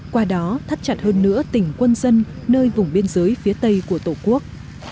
qua đó thắt chặt hơn nữa tỉnh quân dân nơi vùng biên giới phía tây của tổ quốc